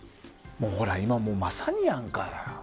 ほら、今もうまさにやんか。